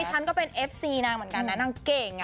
ฉันก็เป็นเอฟซีนางเหมือนกันนะนางเก่ง